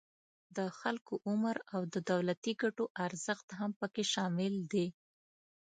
د خلکو عمر او د دولتی ګټو ارزښت هم پکې شامل دي